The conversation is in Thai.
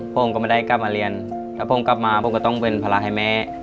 ผมก็ไม่ได้กลับมาเรียนถ้าผมกลับมาผมก็ต้องเป็นภาระให้แม่